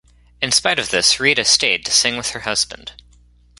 In spite of this, Rita stayed to sing with her husband.